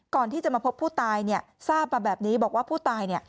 ก่อนที่จะมาพบผู้ตายทราบมาแบบนี้บอกว่าผู้ตาย